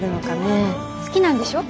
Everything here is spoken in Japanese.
好きなんでしょ？